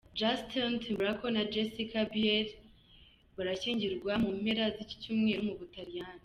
Justin Timberlake na Jessica Biel birashyingirwa mu mpera z’iki cyumweru mu Butaliyani.